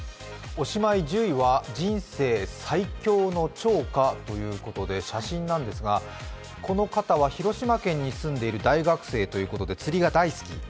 おしまい１０位は人生最恐の釣果ということで写真なんですが、この方は広島県に住んでいる大学生ということで釣りが大好き。